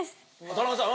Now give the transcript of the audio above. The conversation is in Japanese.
田中さん。